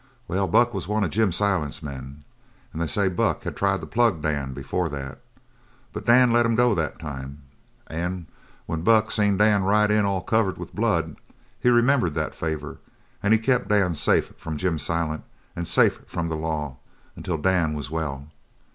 Well, Buck was one of Jim Silent's men, and they say Buck had tried to plug Dan before that. But Dan let him go that time, and when Buck seen Dan ride in all covered with blood he remembered that favour and he kept Dan safe from Jim Silent and safe from the law until Dan was well.